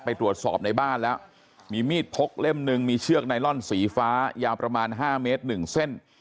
ไปตรวจสอบในบ้านแล้วมีมีดพกเล่มหนึ่งมีเชือกไนลอนสีฟ้ายาวประมาณ๕เมตร๑เส้น